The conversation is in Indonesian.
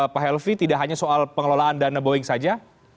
pak helvi tidak hanya soal pengelolaan dana boeing saja